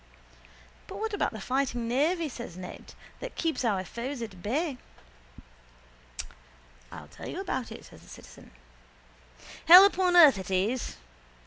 —But what about the fighting navy, says Ned, that keeps our foes at bay? —I'll tell you what about it, says the citizen. Hell upon earth it is.